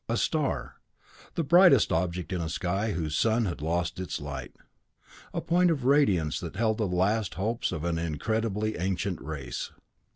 A star the brightest object in a sky whose sun had lost its light. A point of radiance that held the last hopes of an incredibly ancient race.